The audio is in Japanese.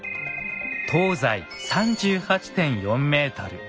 東西３８．４メートル